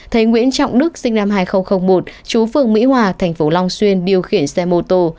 thấy nguyễn trọng đức sinh năm hai nghìn một chú phường mỹ hòa thành phố long xuyên điều khiển xe mô tô